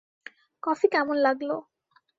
Coffee কেমন লাগল।